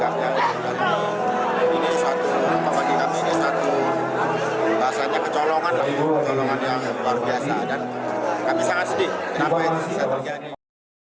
pimpinan dprd komisi jawa timur akan rapat untuk menyikapi hal ini